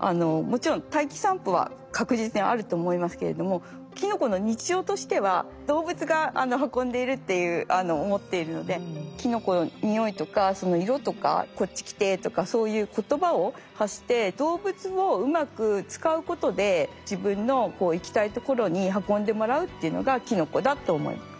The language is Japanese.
もちろん大気散布は確実にあると思いますけれどもていう思っているのでキノコの匂いとか色とか「こっち来て」とかそういう言葉を発して動物をうまく使うことで自分の行きたいところに運んでもらうっていうのがキノコだと思います。